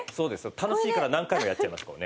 楽しいから何回もやっちゃいますこうね。